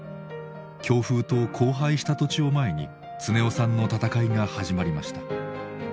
強風と荒廃した土地を前に常雄さんの闘いが始まりました。